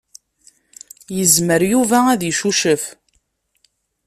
Yezmer Yuba ad icucef.